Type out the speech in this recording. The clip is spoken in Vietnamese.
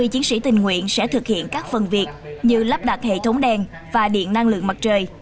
ba mươi chiến sĩ tình nguyện sẽ thực hiện các phần việc như lắp đặt hệ thống đèn và điện năng lượng mặt trời